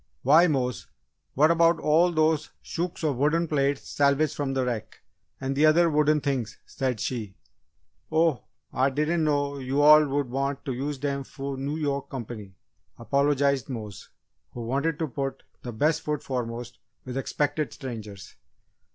"Why, Mose! What about all those shooks of wooden plates salvaged from the wreck and the other wooden things?" said she. "Oh, Ah diden' know yo' all woul' want t' use dem fo' Noo Yoak comp'ny," apologised Mose, who wanted to put "the best foot foremost" with expected strangers.